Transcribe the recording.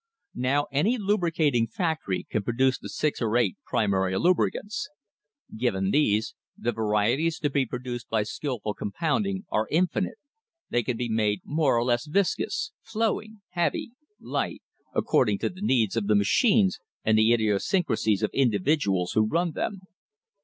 Now any lubricating factory can produce the six or eight primary lubricants. Given these, the varieties to be produced by skilful compounding are in finite. They can be made more or less viscous, flowing, heavy, light, according to the needs of the machines and the idiosyn crasies of individuals who run them.